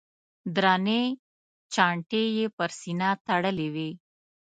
درنې چانټې یې پر سینه تړلې وې.